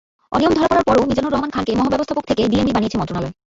অনিয়ম ধরা পড়ার পরও মিজানুর রহমান খানকে মহাব্যবস্থাপক থেকে ডিএমডি বানিয়েছে মন্ত্রণালয়।